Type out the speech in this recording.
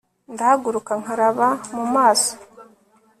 ndahaguruka nkaraba mumaso